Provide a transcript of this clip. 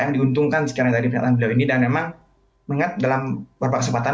menghitungkan sekarang dari penyakit beliau ini dan memang mengingat dalam beberapa kesempatan